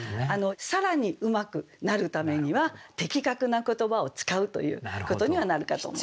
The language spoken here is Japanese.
更にうまくなるためには的確な言葉を使うということにはなるかと思います。